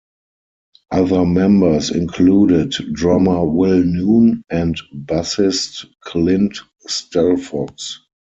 Other members included drummer Will Noon, and bassist Clint Stelfox.